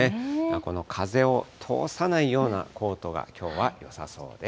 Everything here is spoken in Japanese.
この風を通さないようなコートがきょうはよさそうです。